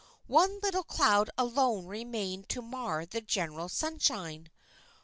One little cloud alone remained to mar the general sunshine.